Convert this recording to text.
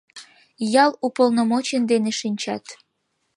— Ял уполномочен дене шинчат.